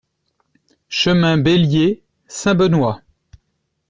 Chemin Bellier, Saint-Benoît